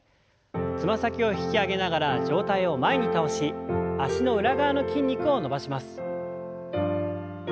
つま先を引き上げながら上体を前に倒し脚の裏側の筋肉を伸ばします。